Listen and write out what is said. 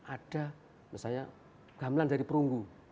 ada misalnya gamelan dari perunggu